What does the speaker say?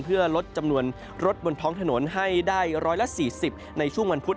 เพื่อลดจำนวนรถบนท้องถนนให้ได้๑๔๐ในช่วงวันพุธ